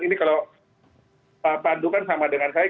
ini kalau pak pandu kan sama dengan saya